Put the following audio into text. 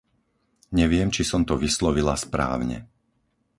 Neviem, či som to vyslovila správne.